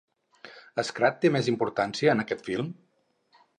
Scrat té més importància en aquest film?